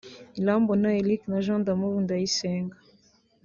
Irambona Eric na Jean D’Amour Ndayisenga